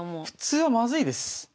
普通はまずいです。